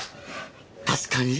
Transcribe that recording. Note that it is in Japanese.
確かに。